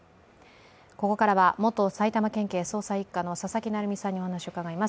ここからは元埼玉県警捜査一課の佐々木成三さんにお話を伺います。